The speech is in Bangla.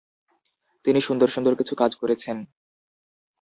তিনি সুন্দর সুন্দর কিছু কাজ করেছেন।